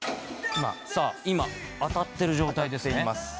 さあ今当たっている状態ですね。